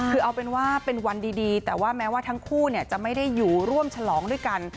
คือเอาเป็นว่าเป็นวันดีแต่ว่าแม้ว่าทั้งคู่จะไม่ได้อยู่ร่วมฉลองด้วยกัน